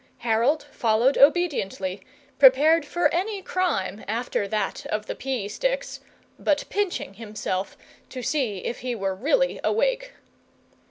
Harold followed obediently, prepared for any crime after that of the pea sticks, but pinching himself to see if he were really awake.